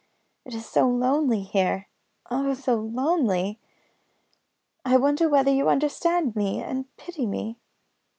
It is so lonely here oh, so lonely! I wonder whether you understand me and pity me?"